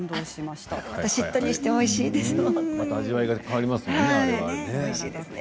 しっとりしておいしいですよね。